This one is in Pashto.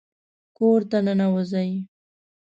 کور ته ننوځئ